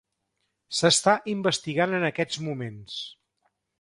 S'està investigant en aquests moments.